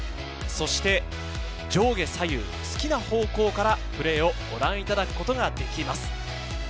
そして上下左右、好きな方向からプレーをご覧いただくことができます。